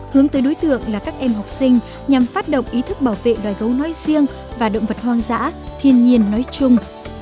hướng tới đối tượng là các em học sinh nhằm phát động ý thức bảo vệ loài gấu nói riêng và động vật hoang dã thiên nhiên nói chung